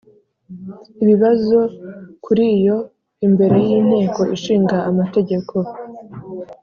ibibazo kuri yo imbere y Inteko Ishinga Amategeko